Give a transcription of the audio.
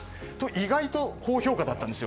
意外と高評価だったんです。